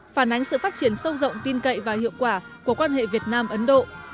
phản ánh sự phát triển sâu rộng tin cậy và hiệu quả của quan hệ việt nam ấn độ